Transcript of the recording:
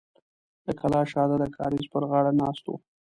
د کلا شاته د کاریز پر غاړه ناست و.